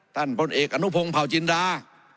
ท่านบนเอกอนุพงศ์เผาจินดา